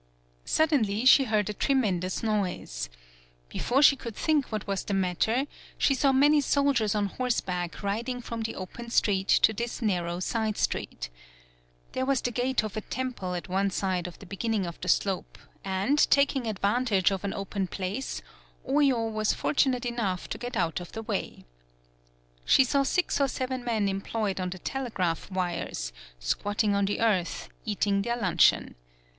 Suddenly she heard a tremen dous noise. Before she could think what was the matter, she saw many sol diers on horseback riding from the open street to this narrow side street. There was the gate of a temple at one side of the beginning of the slope, and, taking advantage of an open place, Oyo was 87 PAULOWNIA fortunate enough to get out of the way. She saw six or seven men employed on the telegraph wires, squatting on the earth, eating their luncheon.